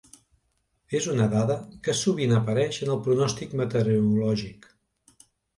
És una dada que sovint apareix en el pronòstic meteorològic.